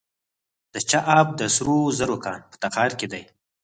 د چاه اب د سرو زرو کان په تخار کې دی.